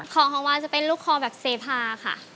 ของของวาจะเป็นลูกคอแบบเสพาค่ะ